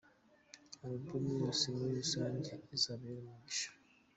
Alubumu yose muri rusange izababera umugisha.